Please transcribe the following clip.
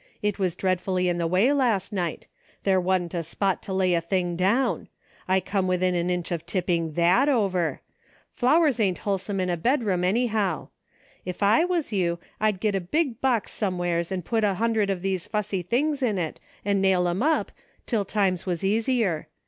It was dreadfully in the way last night ; there wa'n't a spot to lay a thing down ; I come within an inch of tipping t/iat over. Flowers ain't huUsome in a bedroom, anyhow, 'f I was you, I'd git a big box somewheres, and put about a hundred of these fussy things in it, and nail 'em up, till times was easier.